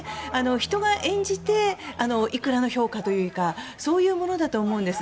人が演じていくらの評価というかそういうものだと思うんです。